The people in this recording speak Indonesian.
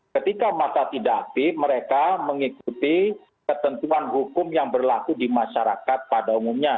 ketika mata tidak aktif mereka mengikuti ketentuan hukum yang berlaku di masyarakat pada umumnya